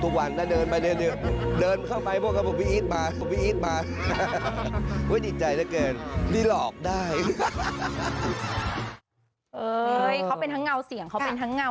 ทุกวันถ้าเดินมาเดินเดินเดินเข้าไปพวกเขาบอกว่าพี่อีสมาพี่อีสมา